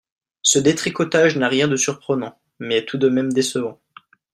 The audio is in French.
Ce détricotage n’a rien de surprenant, mais est tout de même décevant.